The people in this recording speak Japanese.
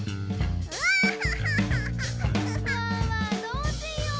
どうしよう？